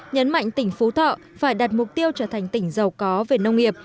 nhấn mạnh tỉnh phú thọ phải đặt mục tiêu trở thành tỉnh giàu có về nông nghiệp